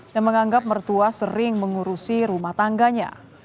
dan menganggap mertua sering mengurusi rumah tangganya